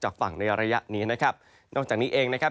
ฝั่งในระยะนี้นะครับนอกจากนี้เองนะครับ